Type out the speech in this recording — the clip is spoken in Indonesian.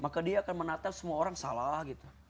jadi dia akan menatap semua orang salah gitu